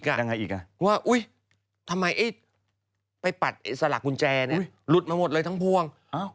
ยังไงอีกว่าทำไมไปปัดสลักกุญแจนี่หลุดมาหมดเลยทั้งพวง